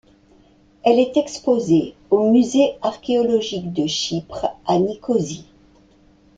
Elle est exposée au Musée Archéologique de Chypre à Nicosie.